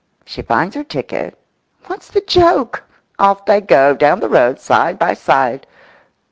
She finds her ticket. What's the joke? Off they go, down the road, side by side.